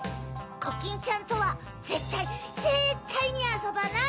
コキンちゃんとはぜったいぜったいにあそばない！